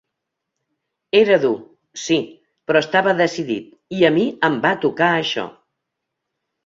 Era dur, sí, però estava decidit, i a mi em va tocar això.